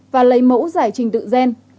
và lấy mẫu giải trình tự gen